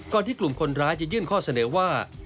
ที่กลุ่มคนร้ายจะยื่นข้อเสนอว่า